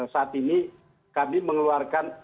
saat ini kami mengeluarkan